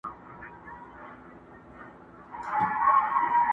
یوه ورځ پر یوه لوی مار وو ختلی!!